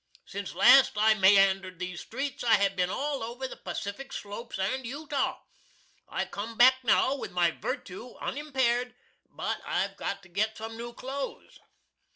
Since last I meyandered these streets, I have bin all over the Pacific Slopes and Utah. I cum back now, with my virtoo unimpaired; but I've got to git some new clothes.